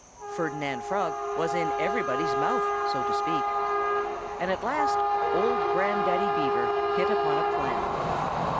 Ferdinand Frog was in everybody's mouth, so to speak. And at last old Grandaddy Beaver hit upon a plan.